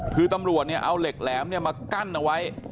คือตำรวจเนี่ยเอาเหล็กแหลมมากั้นเอาไว้